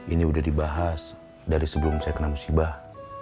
ini udah dibahas dari sebelum saya kena musibah